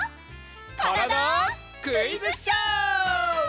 「からだ☆クイズショー」！